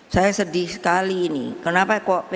saya sedih sekali ini kenapa kok